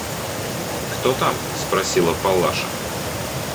«Кто там?» – спросила Палаша.